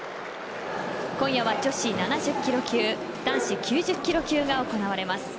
今夜は女子７０キロ級男子９０キロ級が行われます。